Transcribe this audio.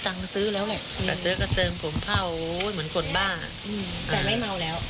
ตังค์มาซื้อแล้วแหละผมเผ่าเหมือนคนบ้าอืมแต่ไม่เมาแล้ว